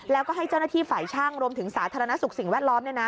แล้วก็ให้เจ้าหน้าที่ฝ่ายช่างรวมถึงสาธารณสุขสิ่งแวดล้อม